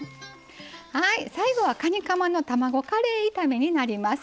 はい最後はかにかまの卵カレー炒めになります。